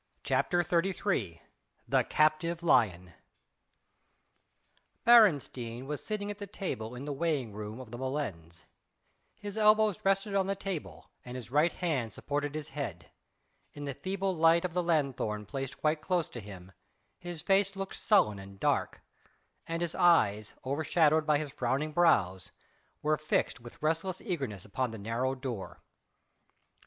CHAPTER XXXIII THE CAPTIVE LION Beresteyn was sitting at the table in the weighing room of the molens: his elbows rested on the table, and his right hand supported his head; in the feeble light of the lanthorn placed quite close to him, his face looked sullen and dark, and his eyes, overshadowed by his frowning brows, were fixed with restless eagerness upon the narrow door.